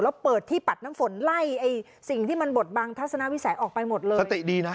แล้วเปิดที่ปัดน้ำฝนไล่ไอ้สิ่งที่มันบดบังทัศนวิสัยออกไปหมดเลยสติดีนะ